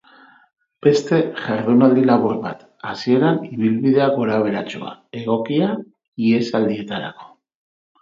Beste jardunaldi labur bat, hasieran ibilbidea gorabeheratsua, egokia ihesaldietarako.